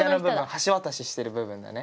橋渡ししてる部分だね。